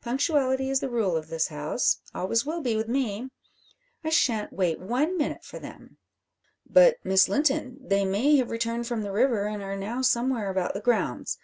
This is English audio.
Punctuality is the rule of this house always will be with me. I shan't wait one minute for them." "But, Miss Linton; they may have returned from the river, and are now somewhere about the grounds.